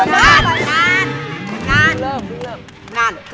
งาน